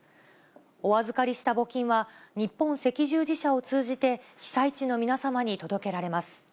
お預かりした募金は、日本赤十字社を通じて、被災地の皆様に届けられます。